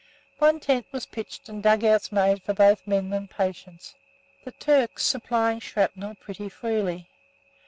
One tent was pitched and dug outs made for both men and patients, the Turks supplying shrapnel pretty freely.